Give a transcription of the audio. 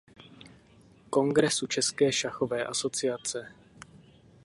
Kongresu České šachové asociace.